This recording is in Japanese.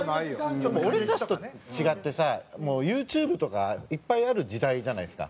ちょっと俺たちと違ってさＹｏｕＴｕｂｅとかいっぱいある時代じゃないですか。